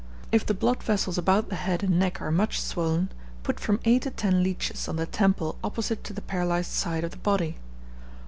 If the blood vessels about the head and neck are much swollen, put from eight to ten leeches on the temple opposite to the paralyzed side of the body.